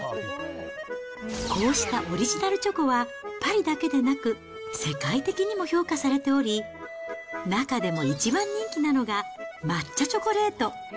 こうしたオリジナルチョコは、パリだけでなく、世界的にも評価されており、中でも一番人気なのが、抹茶チョコレート。